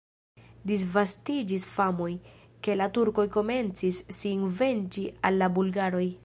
Disvastiĝis famoj, ke la turkoj komencis sin venĝi al la bulgaroj.